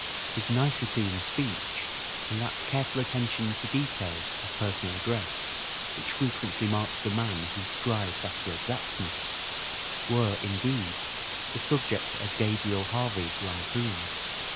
His nicety in speech and that careful attention to details of personal dress which frequently marks the man who strives after exactness, were, indeed, the subject of Gabriel Harvey's lampoon.